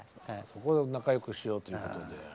そこで仲よくしようということで